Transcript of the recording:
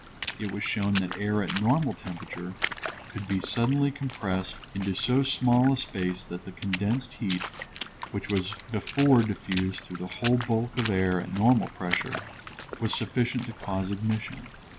It was shown that air at normal temperature could be suddenly compressed into so small a space that the condensed heat, which was before diffused through the whole bulk of air at normal pressure, was sufficient to cause ignition.